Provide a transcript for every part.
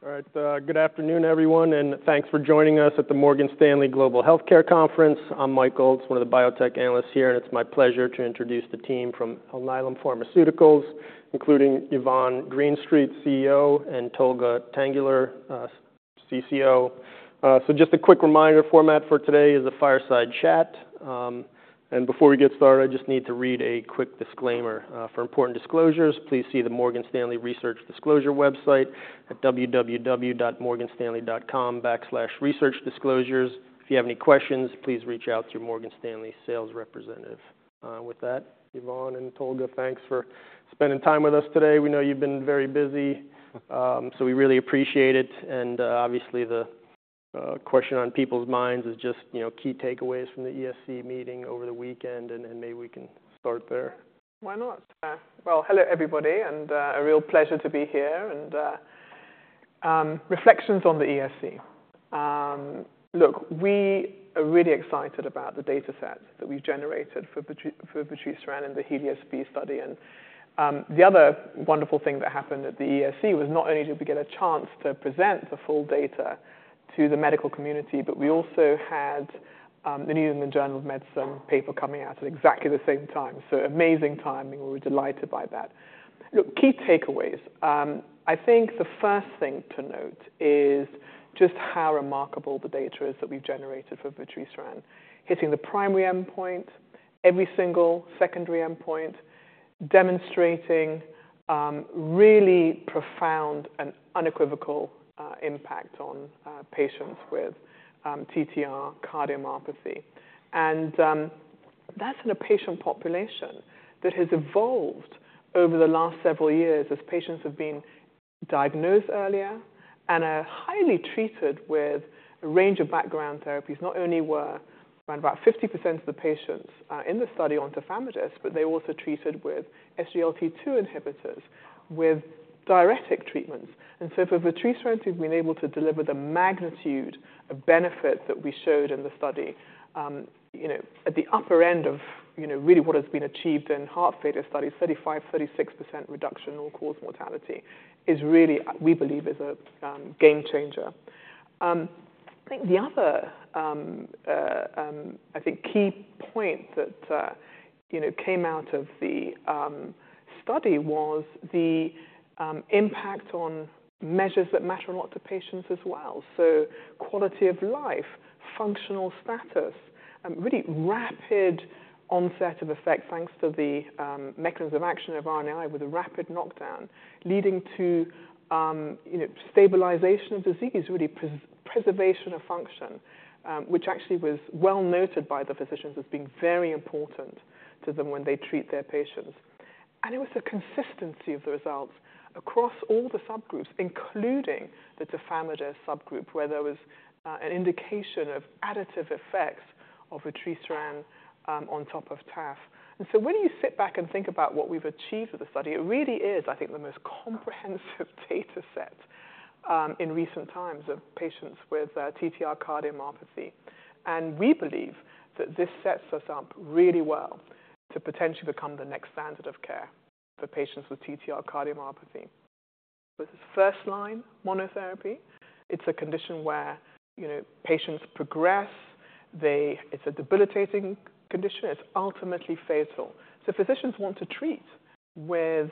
All right, good afternoon, everyone, and thanks for joining us at the Morgan Stanley Global Healthcare Conference. I'm Mike Ulz, one of the biotech analysts here, and it's my pleasure to introduce the team from Alnylam Pharmaceuticals, including Yvonne Greenstreet, CEO, and Tolga Tanguler, CCO. So just a quick reminder, format for today is a fireside chat. And before we get started, I just need to read a quick disclaimer. "For important disclosures, please see the Morgan Stanley Research Disclosure website at www.morganstanley.com/researchdisclosures. If you have any questions, please reach out to your Morgan Stanley sales representative." With that, Yvonne and Tolga, thanks for spending time with us today. We know you've been very busy, so we really appreciate it. Obviously, the question on people's minds is just, you know, key takeaways from the ESC meeting over the weekend, and then maybe we can start there. Why not? Well, hello, everybody, and a real pleasure to be here and reflections on the ESC. Look, we are really excited about the data set that we've generated for patisiran in the HELIOS-B study, and the other wonderful thing that happened at the ESC was not only did we get a chance to present the full data to the medical community, but we also had the New England Journal of Medicine paper coming out at exactly the same time, so amazing timing. We were delighted by that. Look, key takeaways. I think the first thing to note is just how remarkable the data is that we've generated for patisiran. Hitting the primary endpoint, every single secondary endpoint, demonstrating really profound and unequivocal impact on patients with TTR cardiomyopathy. And, that's in a patient population that has evolved over the last several years as patients have been diagnosed earlier and are highly treated with a range of background therapies. Not only were around about 50% of the patients in the study on Tafamidis, but they were also treated with SGLT2 inhibitors, with diuretic treatments. And so for vutrisiran to have been able to deliver the magnitude of benefit that we showed in the study, you know, at the upper end of, you know, really what has been achieved in heart failure studies, 35%-36% reduction in all-cause mortality, is really, we believe, a game changer. I think the other key point that, you know, came out of the study was the impact on measures that matter a lot to patients as well. Quality of life, functional status, really rapid onset of effect, thanks to the mechanism of action of RNAi with a rapid knockdown, leading to you know, stabilization of disease, really preservation of function, which actually was well noted by the physicians as being very important to them when they treat their patients. And it was the consistency of the results across all the subgroups, including the tafamidis subgroup, where there was an indication of additive effects of patisiran on top of taf. And so when you sit back and think about what we've achieved with the study, it really is, I think, the most comprehensive data set in recent times of patients with TTR cardiomyopathy. And we believe that this sets us up really well to potentially become the next standard of care for patients with TTR cardiomyopathy. With first-line monotherapy, it's a condition where, you know, patients progress. It's a debilitating condition. It's ultimately fatal. So physicians want to treat with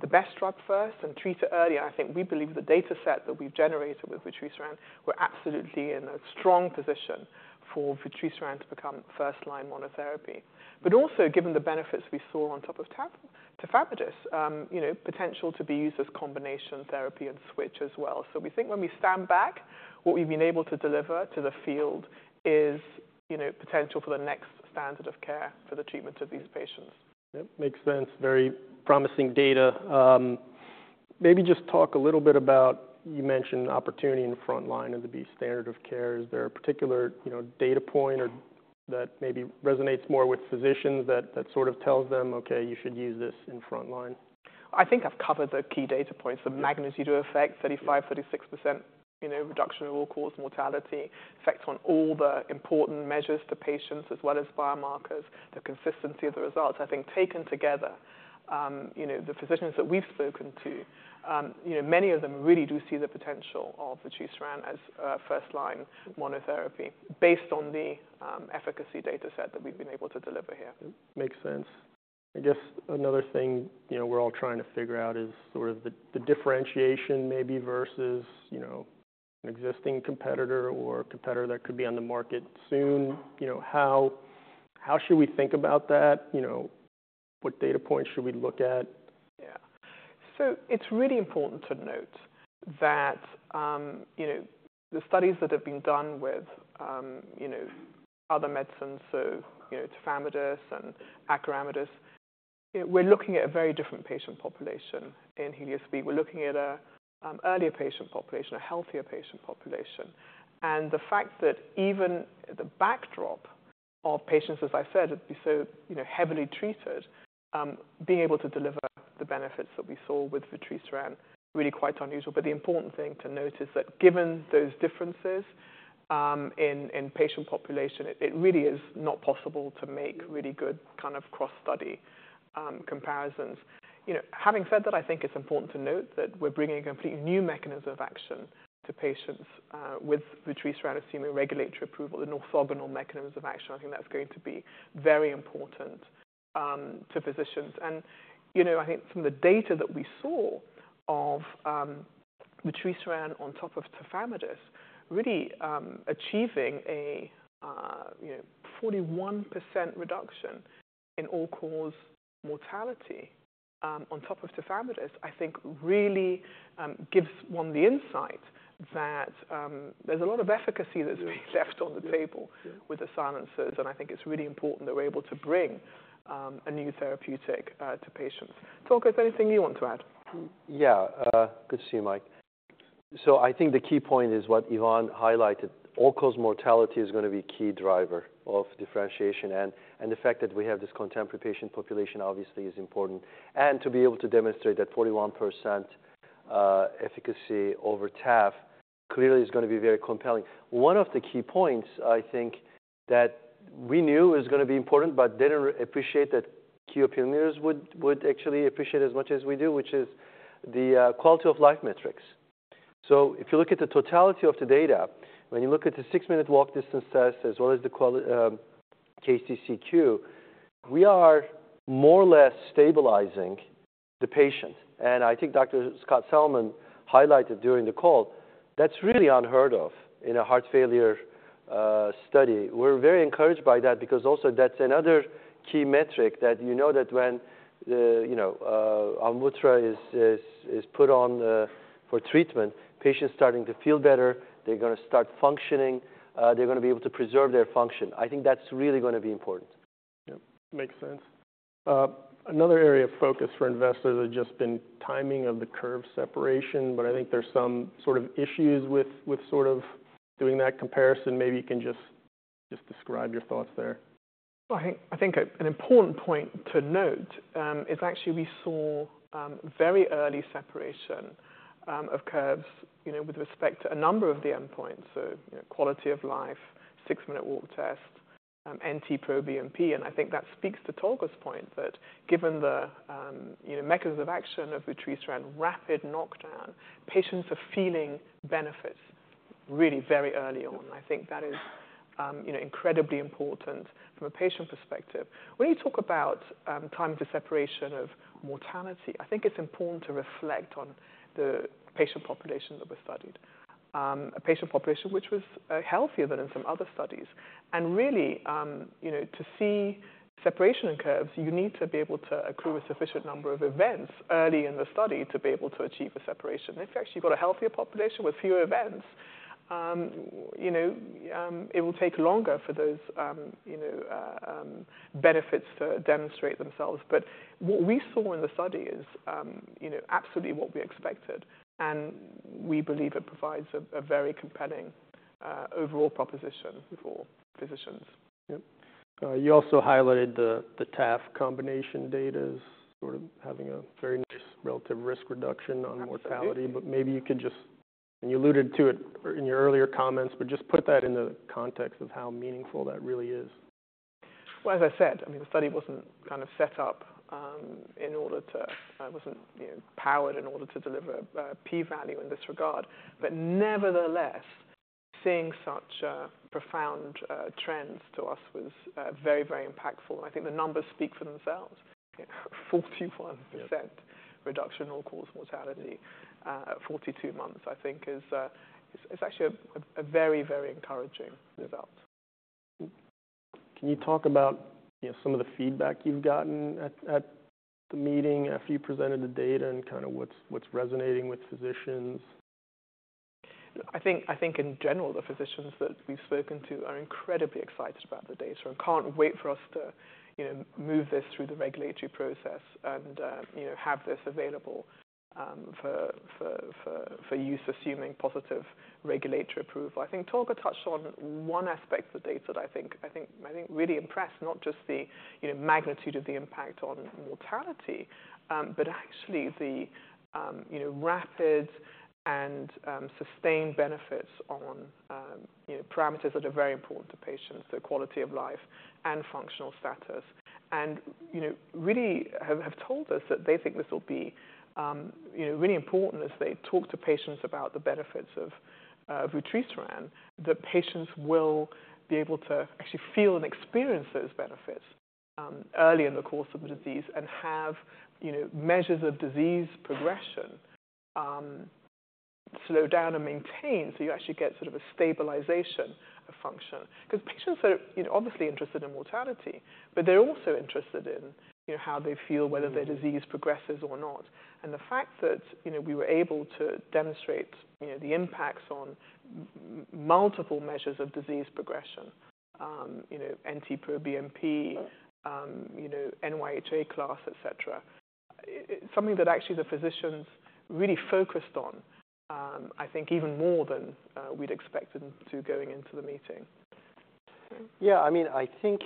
the best drug first and treat it earlier. I think we believe the data set that we've generated with patisiran, we're absolutely in a strong position for patisiran to become first-line monotherapy. But also, given the benefits we saw on top of tafamidis, you know, potential to be used as combination therapy and switch as well. So we think when we stand back, what we've been able to deliver to the field is, you know, potential for the next standard of care for the treatment of these patients. Yep, makes sense. Very promising data. Maybe just talk a little bit about ... You mentioned opportunity in the front line and to be standard of care. Is there a particular, you know, data point or that maybe resonates more with physicians that sort of tells them, "Okay, you should use this in front line?" I think I've covered the key data points. The magnitude of effect, 35%-36%, you know, reduction in all-cause mortality, effects on all the important measures to patients as well as biomarkers, the consistency of the results. I think taken together, you know, the physicians that we've spoken to, you know, many of them really do see the potential of patisiran as a first-line monotherapy based on the, efficacy data set that we've been able to deliver here. Makes sense. I guess another thing, you know, we're all trying to figure out is sort of the differentiation maybe versus, you know, an existing competitor or a competitor that could be on the market soon. You know, how should we think about that? You know, what data points should we look at? Yeah. So it's really important to note that, you know, the studies that have been done with, you know, other medicines, so, you know, tafamidis and acoramidis, we're looking at a very different patient population in HELIOS-B. We're looking at a, earlier patient population, a healthier patient population. And the fact that even the backdrop of patients, as I said, is so, you know, heavily treated, being able to deliver the benefits that we saw with patisiran, really quite unusual. But the important thing to note is that given those differences in patient population, it really is not possible to make really good kind of cross study comparisons. You know, having said that, I think it's important to note that we're bringing a completely new mechanism of action to patients with vutrisiran with regulatory approval, an orthogonal mechanism of action. I think that's going to be very important to physicians, and you know, I think from the data that we saw of vutrisiran on top of tafamidis, really achieving a you know, 41% reduction in all-cause mortality on top of tafamidis, I think really gives one the insight that there's a lot of efficacy that's left on the table with the silencers, and I think it's really important that we're able to bring a new therapeutic to patients. Tolga, is there anything you want to add? Yeah. Good to see you, Mike. So I think the key point is what Yvonne highlighted. All-cause mortality is going to be a key driver of differentiation, and the fact that we have this contemporary patient population obviously is important. And to be able to demonstrate that 41% efficacy over taf clearly is going to be very compelling. One of the key points I think that we knew was going to be important but didn't appreciate that key opinion leaders would actually appreciate as much as we do, which is the quality of life metrics. So if you look at the totality of the data, when you look at the six-minute walk distance test, as well as the quality KCCQ, we are more or less stabilizing the patient. And I think Dr. Scott Solomon highlighted during the call, that's really unheard of in a heart failure study. We're very encouraged by that because also that's another key metric that you know that when the you know AMVUTTRA is put on for treatment, patients starting to feel better, they're going to start functioning, they're going to be able to preserve their function. I think that's really going to be important. Yep, makes sense. Another area of focus for investors has just been timing of the curve separation, but I think there's some sort of issues with with sort of doing that comparison. Maybe you can just just describe your thoughts there. I think an important point to note is actually we saw very early separation of curves, you know, with respect to a number of the endpoints. So, you know, quality of life, six-minute walk test, NT-proBNP, and I think that speaks to Tolga's point that given the, you know, mechanism of action of vutrisiran, rapid knockdown, patients are feeling benefits really very early on. I think that is, you know, incredibly important from a patient perspective. When you talk about time to separation of mortality, I think it's important to reflect on the patient population that we studied. A patient population which was healthier than in some other studies. Really, you know, to see separation in curves, you need to be able to accrue a sufficient number of events early in the study to be able to achieve a separation. If you've actually got a healthier population with fewer events, you know, it will take longer for those, you know, benefits to demonstrate themselves. But what we saw in the study is, you know, absolutely what we expected, and we believe it provides a very compelling overall proposition for physicians. Yep. You also highlighted the taf combination data as sort of having a very nice relative risk reduction on mortality, but maybe you could just... and you alluded to it in your earlier comments, but just put that in the context of how meaningful that really is. As I said, I mean, the study wasn't kind of set up, wasn't, you know, powered in order to deliver a p-value in this regard. But nevertheless, seeing such profound trends to us was very, very impactful. I think the numbers speak for themselves, 41% reduction in all-cause mortality at 42 months, I think, is actually a very, very encouraging result. Can you talk about, you know, some of the feedback you've gotten at the meeting after you presented the data and kind of what's resonating with physicians? I think, I think in general, the physicians that we've spoken to are incredibly excited about the data and can't wait for us to, you know, move this through the regulatory process and, you know, have this available, for use, assuming positive regulatory approval. I think Tolga touched on one aspect of the data that I think, I think, I think really impressed, not just the, you know, magnitude of the impact on mortality, but actually the, you know, rapid and, sustained benefits on, you know, parameters that are very important to patients, their quality of life and functional status. You know, really have told us that they think this will be, you know, really important as they talk to patients about the benefits of vutrisiran, that patients will be able to actually feel and experience those benefits, early in the course of the disease and have, you know, measures of disease progression, slow down and maintain. So you actually get sort of a stabilization of function. Because patients are, you know, obviously interested in mortality, but they're also interested in, you know, how they feel whether their disease progresses or not. And the fact that, you know, we were able to demonstrate, you know, the impacts on multiple measures of disease progression, you know, NT-proBNP, you know, NYHA class, et cetera, it's something that actually the physicians really focused on, I think even more than, we'd expected to going into the meeting.... Yeah, I mean, I think,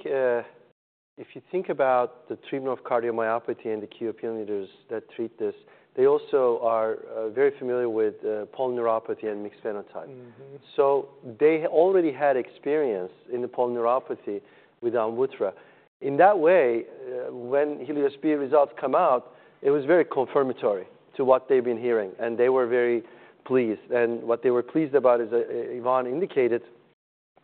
if you think about the treatment of cardiomyopathy and the key opinion leaders that treat this, they also are very familiar with polyneuropathy and mixed phenotype. Mm-hmm. So they already had experience in the polyneuropathy with AMVUTTRA. In that way, when HELIOS-B results come out, it was very confirmatory to what they've been hearing, and they were very pleased. And what they were pleased about is, Yvonne indicated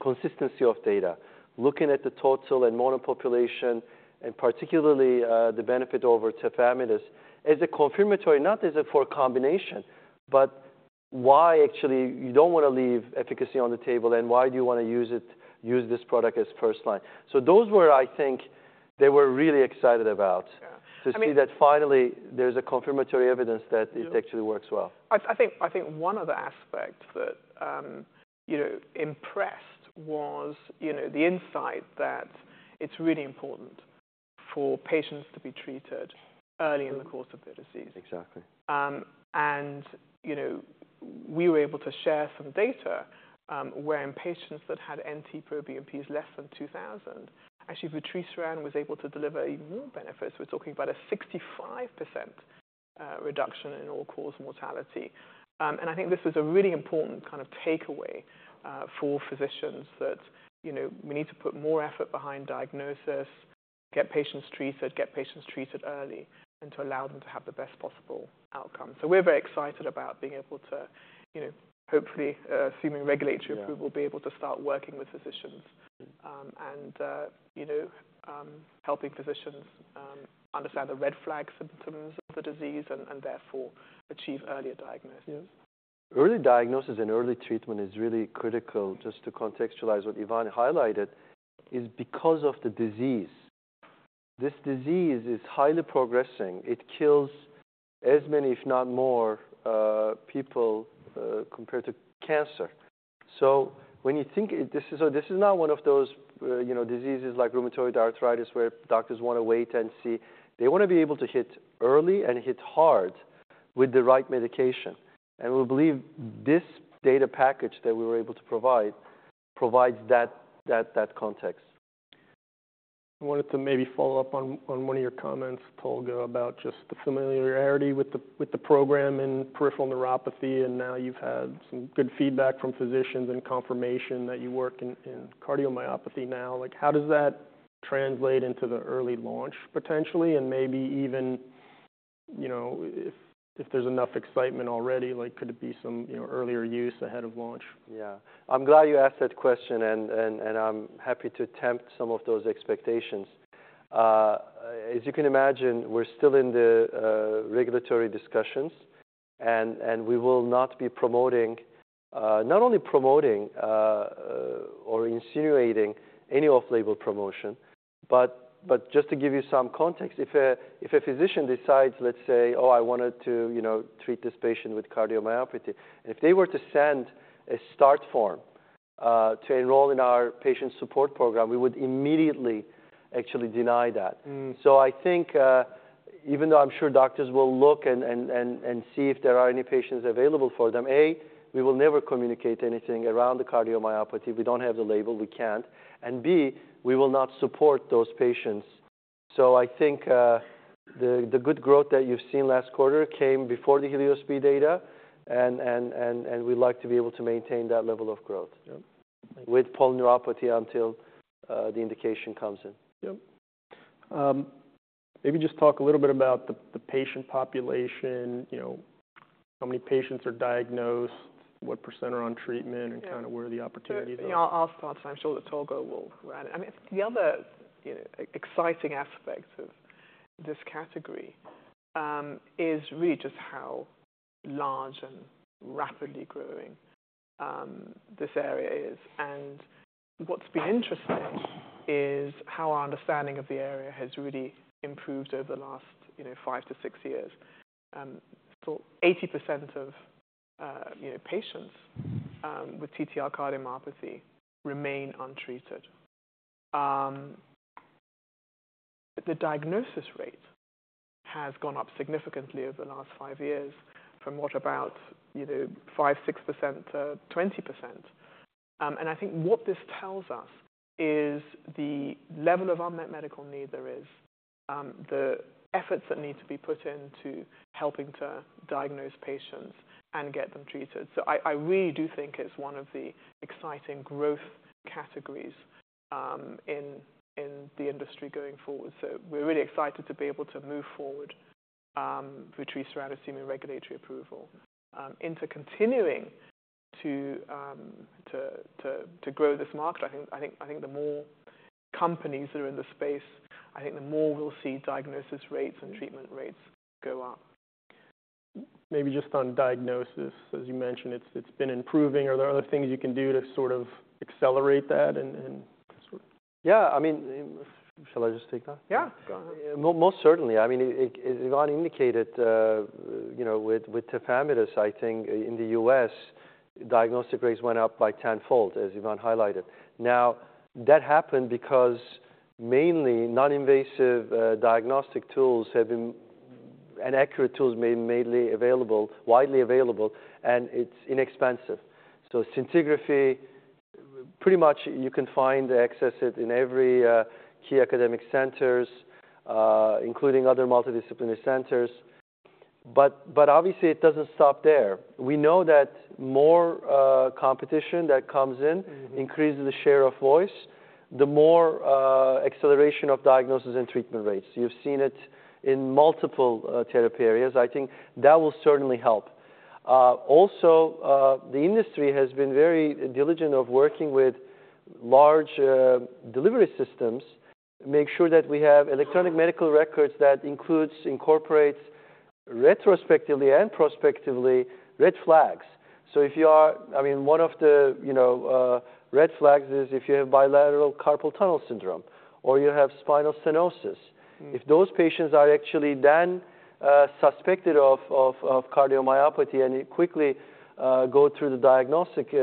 consistency of data. Looking at the total and mono population, and particularly, the benefit over tafamidis, as a confirmatory, not as a for a combination, but why actually you don't wanna leave efficacy on the table, and why do you wanna use it- use this product as first line? So those were I think, they were really excited about- Yeah, I mean- - to see that finally, there's a confirmatory evidence that it actually works well. I think one other aspect that, you know, impressed was, you know, the insight that it's really important for patients to be treated early in the course of their disease. Exactly. And, you know, we were able to share some data, where in patients that had NT-proBNPs less than 2,000, actually, vutrisiran was able to deliver even more benefits. We're talking about a 65% reduction in all-cause mortality. And I think this is a really important kind of takeaway for physicians that, you know, we need to put more effort behind diagnosis, get patients treated, get patients treated early, and to allow them to have the best possible outcome. So we're very excited about being able to, you know, hopefully, assuming regulatory- Yeah... approval, we'll be able to start working with physicians, and you know, helping physicians understand the red flag symptoms of the disease and therefore achieve earlier diagnosis. Yeah. Early diagnosis and early treatment is really critical, just to contextualize what Yvonne highlighted, is because of the disease. This disease is highly progressing. It kills as many, if not more, people compared to cancer. So when you think, this is not one of those, you know, diseases like rheumatoid arthritis, where doctors wanna wait and see. They wanna be able to hit early and hit hard with the right medication, and we believe this data package that we were able to provide provides that context. I wanted to maybe follow up on one of your comments, Tolga, about just the familiarity with the program and peripheral neuropathy, and now you've had some good feedback from physicians and confirmation that you work in cardiomyopathy now. Like, how does that translate into the early launch, potentially, and maybe even, you know, if there's enough excitement already, like, could it be some earlier use ahead of launch? Yeah. I'm glad you asked that question, and I'm happy to tempt some of those expectations. As you can imagine, we're still in the regulatory discussions, and we will not be promoting... not only promoting, or insinuating any off-label promotion, but just to give you some context, if a physician decides, let's say, "Oh, I wanted to, you know, treat this patient with cardiomyopathy," and if they were to send a start form, to enroll in our patient support program, we would immediately actually deny that. Mm. So I think, even though I'm sure doctors will look and see if there are any patients available for them, A, we will never communicate anything around the cardiomyopathy. We don't have the label, we can't, and B, we will not support those patients. So I think, the good growth that you've seen last quarter came before the HELIOS-B data, and we'd like to be able to maintain that level of growth- Yeah - with polyneuropathy until the indication comes in. Yep. Maybe just talk a little bit about the patient population, you know, how many patients are diagnosed, what percent are on treatment- Yeah... and kinda where the opportunities are. Yeah, I'll start, so I'm sure that Tolga will add. I mean, the other exciting aspects of this category is really just how large and rapidly growing this area is. And what's been interesting is how our understanding of the area has really improved over the last, you know, five to six years. So 80% of, you know, patients with TTR cardiomyopathy remain untreated. The diagnosis rate has gone up significantly over the last five years, from what, about, you know, 5%, 6%-20%. And I think what this tells us is the level of unmet medical need there is, the efforts that need to be put in to helping to diagnose patients and get them treated. I really do think it's one of the exciting growth categories in the industry going forward. We're really excited to be able to move forward vutrisiran, assuming regulatory approval, into continuing to grow this market. I think the more companies that are in the space, the more we'll see diagnosis rates and treatment rates go up. Maybe just on diagnosis, as you mentioned, it's been improving. Are there other things you can do to sort of accelerate that and sort- Yeah, I mean... Shall I just take that? Yeah, go ahead. Most certainly. I mean, it, Yvonne indicated, you know, with tafamidis, I think in the U.S., diagnostic rates went up by tenfold, as Yvonne highlighted. Now, that happened because mainly non-invasive diagnostic tools have been, and accurate tools made mainly available, widely available, and it's inexpensive. So scintigraphy, pretty much you can find, access it in every key academic centers, including other multidisciplinary centers. But obviously, it doesn't stop there. We know that more competition that comes in- Mm-hmm increases the share of voice, the more, acceleration of diagnosis and treatment rates. You've seen it in multiple, therapy areas. I think that will certainly help. Also, the industry has been very diligent of working with large, delivery systems to make sure that we have electronic medical records that includes, incorporates retrospectively and prospectively, red flags. So if you are, I mean, one of the, you know, red flags is if you have bilateral carpal tunnel syndrome or you have spinal stenosis. Mm. If those patients are actually then suspected of cardiomyopathy and you quickly go through the diagnostic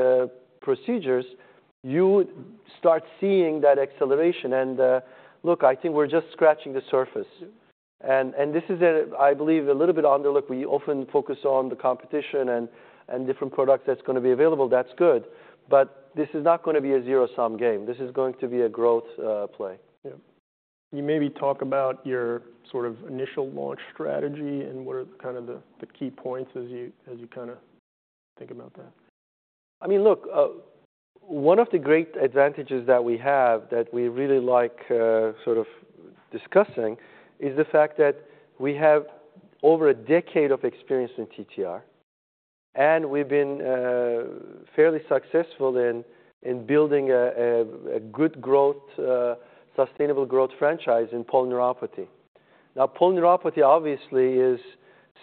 procedures, you start seeing that acceleration. And look, I think we're just scratching the surface. This is a, I believe, a little bit underlooked. We often focus on the competition and different products that's gonna be available. That's good, but this is not gonna be a zero-sum game. This is going to be a growth play. Yeah. Can you maybe talk about your sort of initial launch strategy and what are the kind of key points as you kinda think about that? I mean, look, one of the great advantages that we have that we really like sort of discussing is the fact that we have over a decade of experience in TTR, and we've been fairly successful in building a good growth sustainable growth franchise in polyneuropathy. Now, polyneuropathy, obviously, is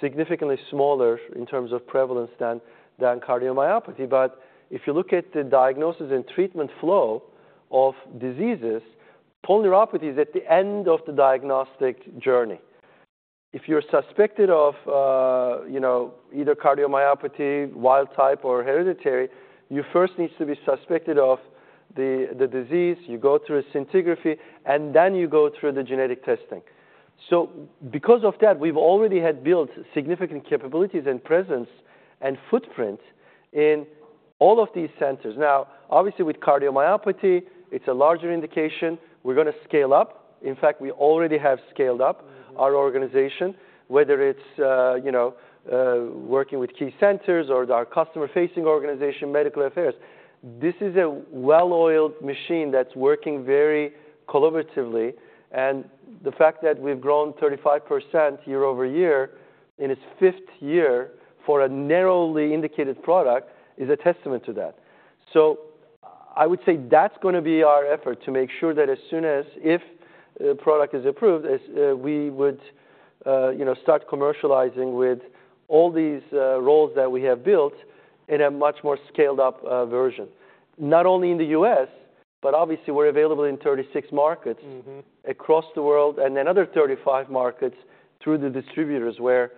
significantly smaller in terms of prevalence than cardiomyopathy, but if you look at the diagnosis and treatment flow of diseases, polyneuropathy is at the end of the diagnostic journey. If you're suspected of, you know, either cardiomyopathy, wild type or hereditary, you first needs to be suspected of the disease, you go through a scintigraphy, and then you go through the genetic testing. So because of that, we've already had built significant capabilities and presence and footprint in all of these centers. Now, obviously, with cardiomyopathy, it's a larger indication. We're gonna scale up. In fact, we already have scaled up our organization, whether it's, you know, working with key centers or our customer-facing organization, medical affairs. This is a well-oiled machine that's working very collaboratively, and the fact that we've grown 35% year-over-year in its fifth year for a narrowly indicated product is a testament to that. So I would say that's gonna be our effort, to make sure that as soon as... if the product is approved, as, we would, you know, start commercializing with all these, roles that we have built in a much more scaled-up, version. Not only in the U.S., but obviously, we're available in 36 markets- Mm-hmm... across the world, and another 35 markets through the distributors, where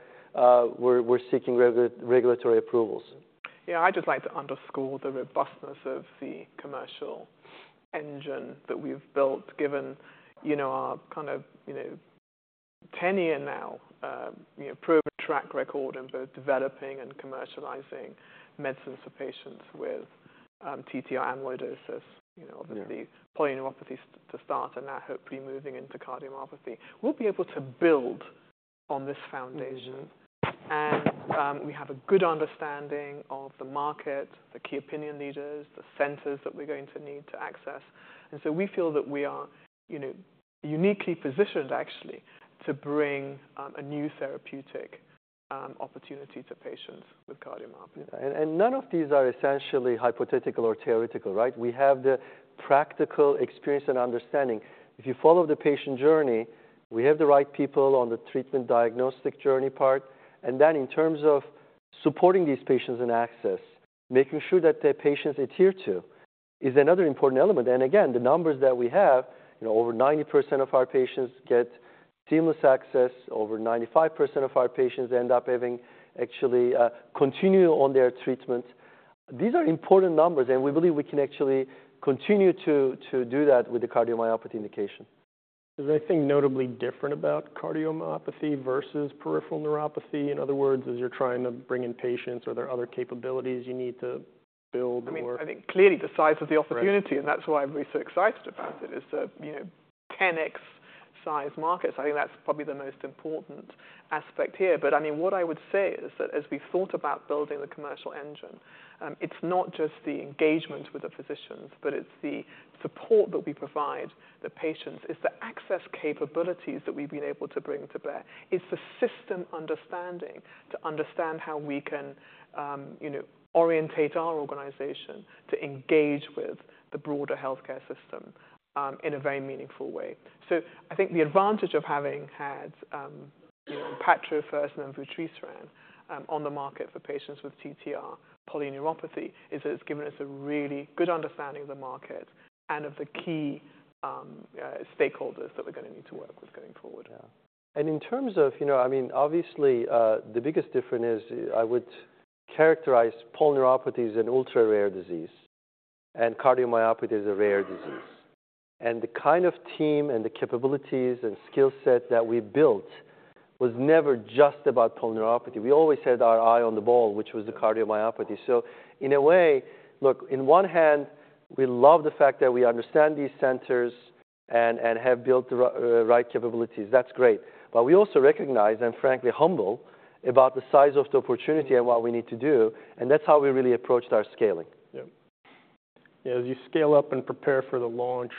we're seeking regulatory approvals. Yeah, I'd just like to underscore the robustness of the commercial engine that we've built, given, you know, our kind of, you know, 10 year now, you know, proven track record in both developing and commercializing medicines for patients with, TTR amyloidosis, you know-... obviously, polyneuropathy to start and now hopefully moving into cardiomyopathy. We'll be able to build on this foundation. We have a good understanding of the market, the key opinion leaders, the centers that we're going to need to access. So we feel that we are, you know, uniquely positioned actually, to bring a new therapeutic opportunity to patients with cardiomyopathy. None of these are essentially hypothetical or theoretical, right? We have the practical experience and understanding. If you follow the patient journey, we have the right people on the treatment diagnostic journey part, and then in terms of supporting these patients in access, making sure that the patients adhere to, is another important element. Again, the numbers that we have, you know, over 90% of our patients get seamless access. Over 95% of our patients end up having actually continue on their treatment. These are important numbers, and we believe we can actually continue to do that with the cardiomyopathy indication. Is there anything notably different about cardiomyopathy versus peripheral neuropathy? In other words, as you're trying to bring in patients, are there other capabilities you need to build more? I mean, I think clearly, the size of the opportunity- Right... and that's why we're so excited about it, is the, you know, 10x size market. So I think that's probably the most important aspect here. But I mean, what I would say is that as we thought about building the commercial engine, it's not just the engagement with the physicians, but it's the support that we provide the patients. It's the access capabilities that we've been able to bring to bear. It's the system understanding, to understand how we can, you know, orient our organization to engage with the broader healthcare system, in a very meaningful way. So I think the advantage of having had, you know, patisiran first and then vutrisiran, on the market for patients with TTR polyneuropathy is that it's given us a really good understanding of the market and of the key stakeholders that we're gonna need to work with going forward. Yeah. And in terms of, you know... I mean, obviously, the biggest difference is, I would characterize polyneuropathy as an ultra-rare disease... and cardiomyopathy is a rare disease. And the kind of team and the capabilities and skill set that we built was never just about polyneuropathy. We always had our eye on the ball, which was the cardiomyopathy. So in a way, look, in one hand, we love the fact that we understand these centers and have built the right capabilities. That's great. But we also recognize, and frankly, humble about the size of the opportunity and what we need to do, and that's how we really approached our scaling. Yeah. As you scale up and prepare for the launch,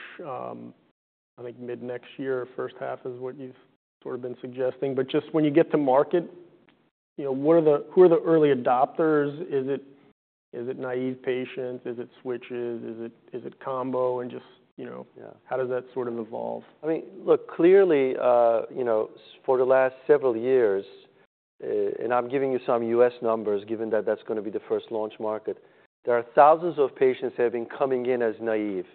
I think mid-next year, first half is what you've sort of been suggesting. But just when you get to market, you know, what are the- who are the early adopters? Is it- is it naive patients? Is it- is it combo? And just, you know- Yeah... how does that sort of evolve? I mean, look, clearly, you know, for the last several years, and I'm giving you some U.S. numbers, given that that's gonna be the first launch market, there are thousands of patients that have been coming in as naive,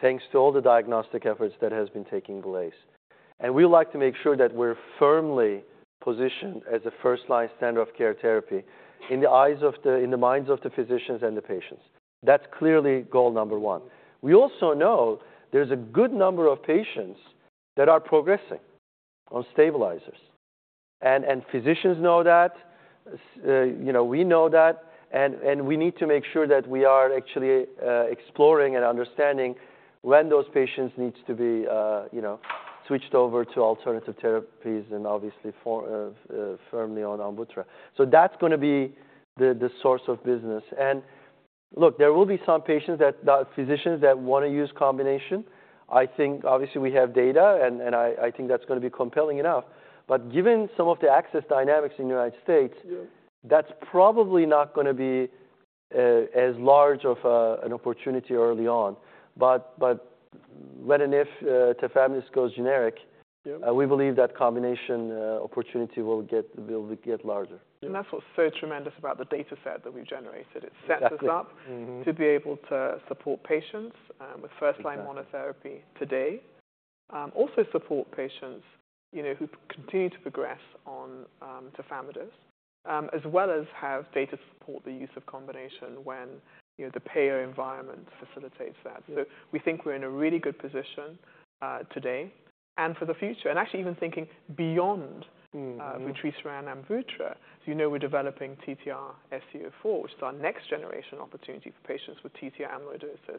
thanks to all the diagnostic efforts that has been taking place, and we like to make sure that we're firmly positioned as a first-line standard of care therapy in the eyes of the, in the minds of the physicians and the patients. That's clearly goal number one. We also know there's a good number of patients that are progressing on stabilizers, and physicians know that, you know, we know that, and we need to make sure that we are actually exploring and understanding when those patients needs to be switched over to alternative therapies and obviously firmly on AMVUTTRA. So that's gonna be the source of business. And look, there will be some physicians that wanna use combination. I think obviously we have data, and I think that's gonna be compelling enough. But given some of the access dynamics in the United States. Yeah ... that's probably not gonna be as large of an opportunity early on. But when and if tafamidis goes generic- Yeah... we believe that combination opportunity will get larger. Yeah. That's what's so tremendous about the data set that we've generated. Exactly. It sets us up- Mm-hmm... to be able to support patients, with first- Exactly... line monotherapy today. Also support patients, you know, who continue to progress on tafamidis, as well as have data to support the use of combination when, you know, the payer environment facilitates that. Yeah. So we think we're in a really good position, today and for the future. And actually even thinking beyond- Mm-hmm... vutrisiran and AMVUTTRA. So you know, we're developing TTRsc04, which is our next generation opportunity for patients with TTR amyloidosis,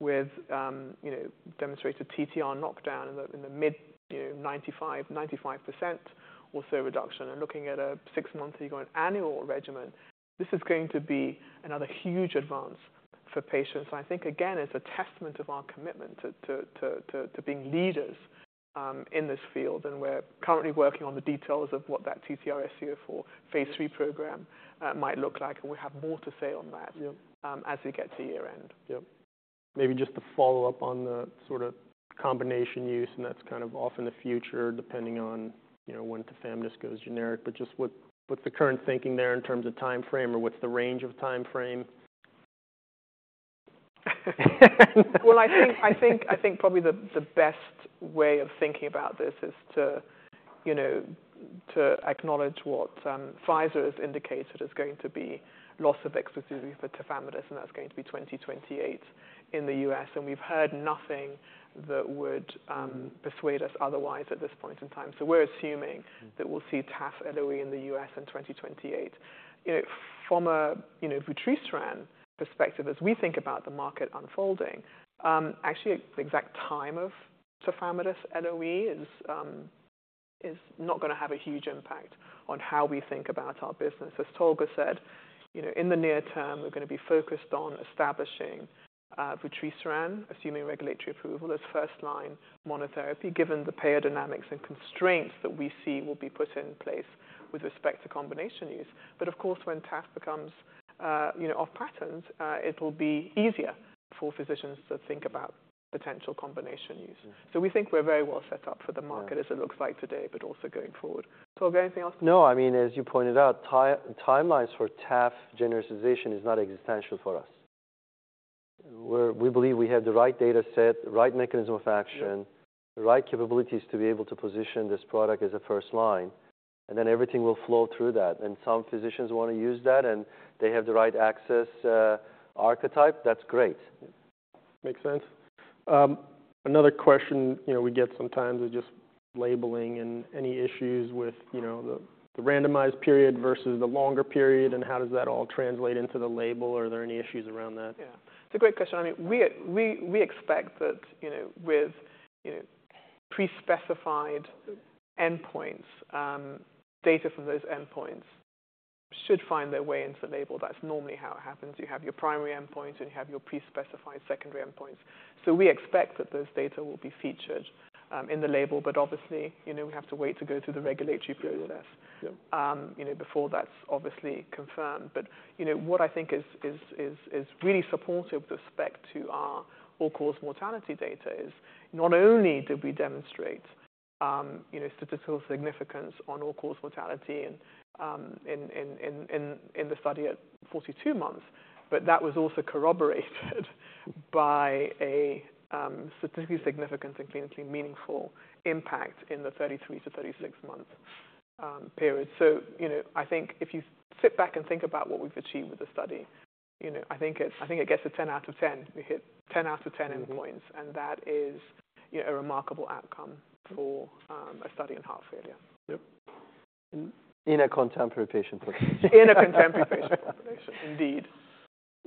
with, you know, demonstrated TTR knockdown in the, in the mid, you know, 95% or so reduction, and looking at a six-monthly or an annual regimen. This is going to be another huge advance for patients. I think, again, it's a testament of our commitment to being leaders in this field, and we're currently working on the details of what that TTRsc04 phase III program might look like, and we'll have more to say on that- Yeah... as we get to year end. Yep. Maybe just to follow up on the sort of combination use, and that's kind of off in the future, depending on, you know, when tafamidis goes generic, but just what, what's the current thinking there in terms of timeframe or what's the range of timeframe? I think probably the best way of thinking about this is to, you know, to acknowledge what Pfizer has indicated is going to be loss of exclusivity for tafamidis, and that's going to be 2028 in the U.S. And we've heard nothing that would persuade us otherwise at this point in time. So we're assuming- Mm... that we'll see tafamidis in the U.S. in 2028. You know, from a, you know, vutrisiran perspective, as we think about the market unfolding, actually, the exact time of tafamidis LOE is not gonna have a huge impact on how we think about our business. As Tolga said, you know, in the near term, we're gonna be focused on establishing vutrisiran, assuming regulatory approval, as first-line monotherapy, given the payer dynamics and constraints that we see will be put in place with respect to combination use. But of course, when taf becomes, you know, off patent, it will be easier for physicians to think about potential combination use. Mm. So we think we're very well set up for the market- Yeah... as it looks like today, but also going forward. Tolga, anything else? No. I mean, as you pointed out, timelines for taf genericization is not existential for us. We believe we have the right data set, the right mechanism of action the right capabilities to be able to position this product as a first line, and then everything will flow through that. And some physicians wanna use that, and they have the right access, archetype, that's great. Makes sense. Another question, you know, we get sometimes is just labeling and any issues with, you know, the randomized period versus the longer period, and how does that all translate into the label? Are there any issues around that? Yeah, it's a great question. I mean, we, we expect that, you know, with, you know, pre-specified endpoints, data from those endpoints should find their way into the label. That's normally how it happens. You have your primary endpoints, and you have your pre-specified secondary endpoints. So we expect that those data will be featured, in the label, but obviously, you know, we have to wait to go through the regulatory process. Yep... you know, before that's obviously confirmed. But, you know, what I think is really supportive with respect to our all-cause mortality data is not only did we demonstrate, you know, statistical significance on all-cause mortality in the study at 42 months, but that was also corroborated by a statistically significant and clinically meaningful impact in the 33-36 months period. So, you know, I think if you sit back and think about what we've achieved with the study, you know, I think it's. I think it gets a 10 out of 10. We hit 10 out of 10 endpoints, and that is, you know, a remarkable outcome for a study in heart failure. Yep. In a contemporary patient population. In a contemporary patient population, indeed.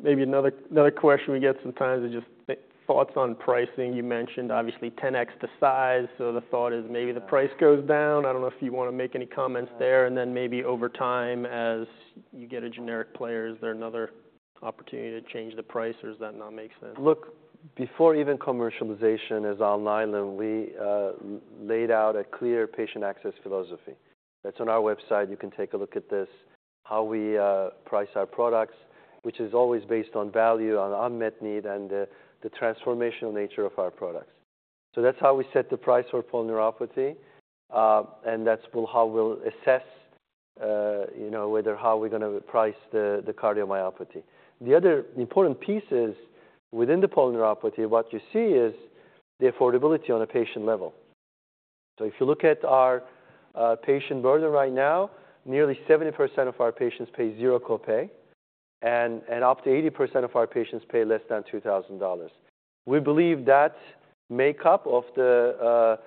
Maybe another question we get sometimes is just the thoughts on pricing. You mentioned obviously 10x the size, so the thought is maybe the price goes down. I don't know if you wanna make any comments there. And then maybe over time, as you get a generic player, is there another opportunity to change the price, or does that not make sense? Look, before even commercialization is online, and we laid out a clear patient access philosophy. That's on our website. You can take a look at this, how we price our products, which is always based on value, on unmet need, and the transformational nature of our products. So that's how we set the price for polyneuropathy, and that's how we'll assess, you know, how we're gonna price the cardiomyopathy. The other important piece is, within the polyneuropathy, what you see is the affordability on a patient level. So if you look at our patient burden right now, nearly 70% of our patients pay zero copay, and up to 80% of our patients pay less than $2,000. We believe that makeup of the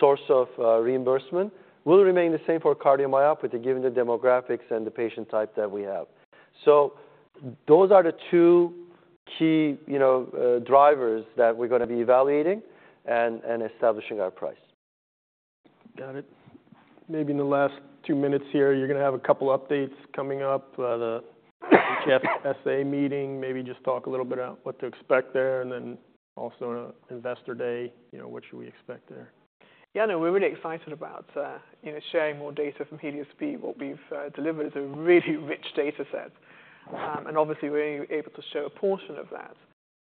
source of reimbursement will remain the same for cardiomyopathy, given the demographics and the patient type that we have. So those are the two key, you know, drivers that we're gonna be evaluating and establishing our price. Got it. Maybe in the last two minutes here, you're gonna have a couple updates coming up, the ESC meeting. Maybe just talk a little bit about what to expect there, and then also on Investor Day, you know, what should we expect there? Yeah, no, we're really excited about, you know, sharing more data from HELIOS-B. What we've delivered is a really rich data set, and obviously, we're able to show a portion of that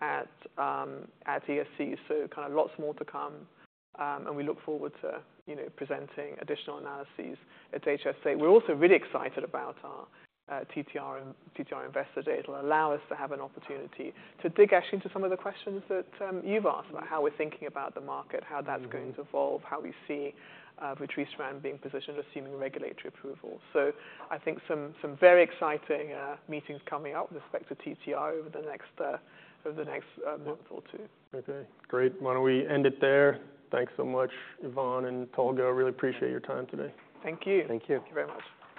at ESC, so kind of lots more to come, and we look forward to, you know, presenting additional analyses at HFSA. We're also really excited about our TTR and TTR Investor Day. It'll allow us to have an opportunity to dig actually into some of the questions that you've asked about how we're thinking about the market, how that's going to evolve, how we see, vutrisiran being positioned, assuming regulatory approval. So I think some very exciting meetings coming up with respect to TTR over the next month or two. Okay, great. Why don't we end it there? Thanks so much, Yvonne and Tolga. I really appreciate your time today. Thank you. Thank you. Thank you very much.